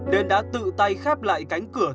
nên đã tự tay khép lại cánh cửa